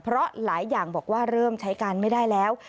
เพราะหลายอย่างบอกว่าเริ่มใช้การไม่ได้แล้ว